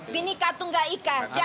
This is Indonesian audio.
bini katungga indonesia